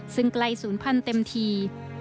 ซึ่งไกลศูนย์พันเต็มที